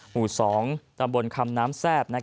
หมู่๒ตำบลคำน้ำแซ่บ